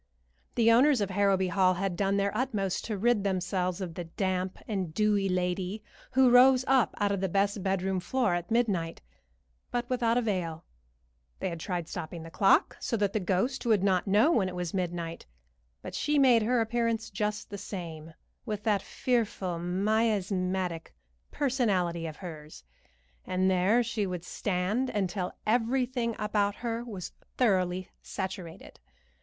The owners of Harrowby Hall had done their utmost to rid themselves of the damp and dewy lady who rose up out of the best bedroom floor at midnight, but without avail. They had tried stopping the clock, so that the ghost would not know when it was midnight; but she made her appearance just the same, with that fearful miasmatic personality of hers, and there she would stand until everything about her was thoroughly saturated.